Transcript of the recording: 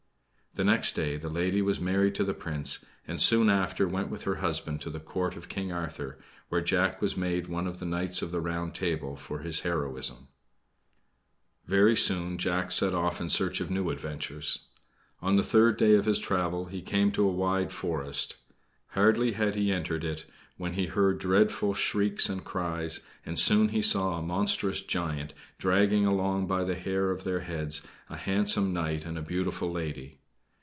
The next day the lady was married to the Prince, and soon after went with her husband to the Court of King Arthur, where Jack was made one of the Knights of the Round Table for his heroism. Very soon Jack set off in search of new adventures. On the third day of his travel he came to a wide forest. Hardly had he entered it when he heard dreadful shrieks and cries, and soon he saw a monstrous giant dragging along by the hair of their heads a handsome knight and a beautiful lady.